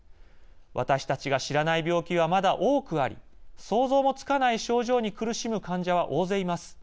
私たちが知らない病気はまだ多くあり想像もつかない症状に苦しむ患者は大勢います。